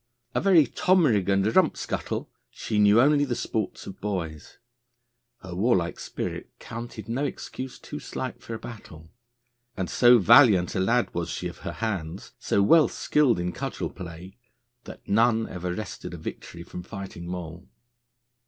A very 'tomrig and rump scuttle,' she knew only the sports of boys: her war like spirit counted no excuse too slight for a battle; and so valiant a lad was she of her hands, so well skilled in cudgel play, that none ever wrested a victory from fighting Moll.